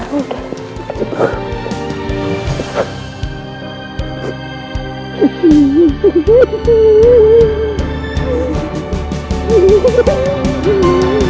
terus pengen aku gatil nek